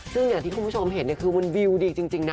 ซึ่งอย่างที่คุณผู้ชมเห็นคือมันวิวดีจริงนะ